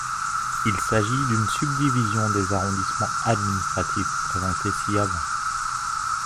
Il s’agit d’une subdivision des arrondissements administratifs présentés ci-avant.